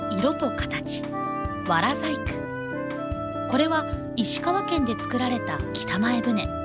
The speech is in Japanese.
これは石川県で作られた北前船。